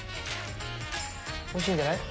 おいしいんじゃない？